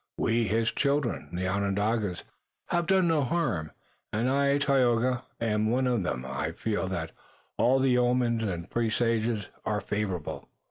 We, his children, the Onondagas, have done no harm, and I, Tayoga, am one of them. I feel that all the omens and presages are favorable."